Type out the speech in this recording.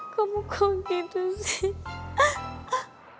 kamu kok gitu sih